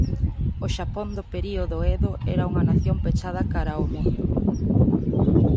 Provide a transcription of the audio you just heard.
O Xapón do período Edo era unha nación pechada cara ao mundo.